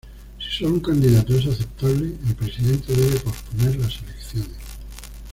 Si solo un candidato es aceptable, el presidente debe posponer las elecciones.